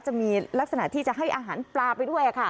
จะมีลักษณะที่จะให้อาหารปลาไปด้วยค่ะ